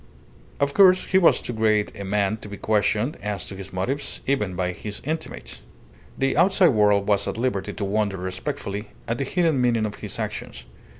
Of course, he was too great a man to be questioned as to his motives, even by his intimates. The outside world was at liberty to wonder respectfully at the hidden meaning of his actions.